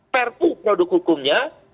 perfu produk hukumnya